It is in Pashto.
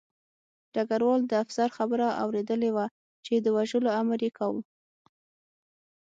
ډګروال د افسر خبره اورېدلې وه چې د وژلو امر یې کاوه